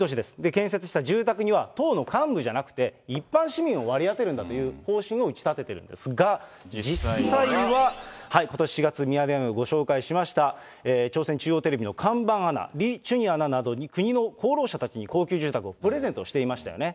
建設した住宅には党の幹部じゃなくて、一般市民を割り当てるんだという方針も打ち立ててるんですが、実際は、ことし４月、ミヤネ屋でもご紹介しました、朝鮮中央テレビの看板アナ、リ・チュニアナなど、国の功労者たちに高級住宅をプレゼントしていましたよね。